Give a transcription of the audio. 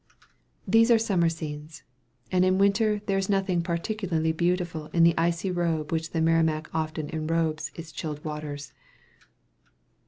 These are summer scenes; and in winter there is nothing particularly beautiful in the icy robe with which the Merrimac often enrobes its chilled waters.